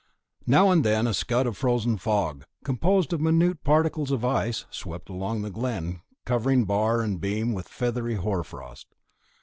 Now and then a scud of frozen fog, composed of minute particles of ice, swept along the glen, covering bar and beam with feathery hoar frost.